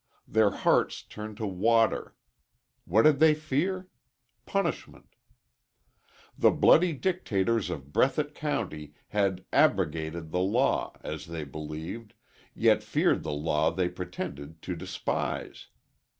Their hearts turned to water. What did they fear? Punishment. The bloody dictators of Breathitt County had abrogated the law, as they believed, yet feared the law they pretended to despise.